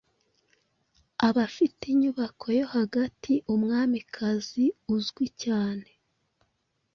Abafite inyubako yo hagati Umwamikazi uzwi cyane